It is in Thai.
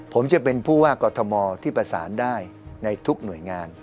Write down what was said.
ผมจะเป็นผู้ว่ากอทมที่ประสานได้ในทุกหน่วยงาน